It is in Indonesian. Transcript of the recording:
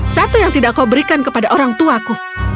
satu yang tidak kau berikan kepada orang tuaku